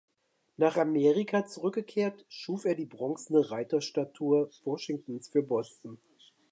Nach Amerika zurückgekehrt, schuf er die bronzene Reiterstatue Washingtons für Boston.